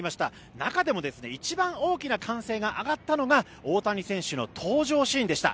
中でも一番大きな歓声が上がったのが大谷選手の登場シーンでした。